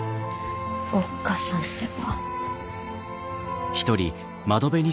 おっ母さんってば。